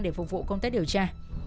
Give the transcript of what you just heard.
để phục vụ công tác điều tra